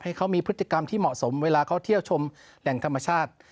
ให้เขามีพฤติกรรมที่เหมาะสมเวลาเขาเที่ยวชมแหล่งธรรมชาติ